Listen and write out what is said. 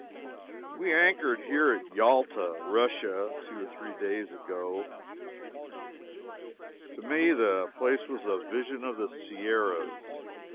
We anchored here at Yalta, Russia, two or three days ago. To me the place was a vision of the Sierras.